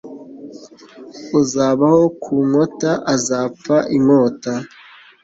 Uzabaho ku nkota azapfa inkota.